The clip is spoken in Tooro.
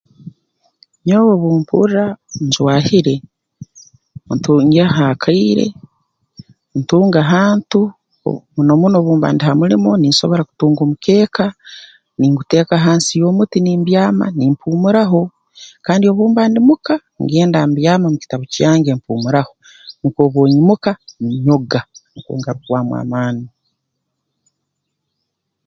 Nyowe obu mpurra njwahire ntungaho akaire ntunga hantu muno muno obu mba ndi ha mulimo ninsobora kutunga omukeeka ninguteeka hansi y'omuti nimbyama nimpuumuraho kandi obu mba ndi muka ngenda mbyama mu kitabu kyange mpuumuraho nukwo obu nyimuka nyoga nukwo ngarukwamu amaani